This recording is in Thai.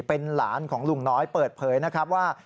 เป็นหลานของลุงน้อยเปิดเผยนะครับว่า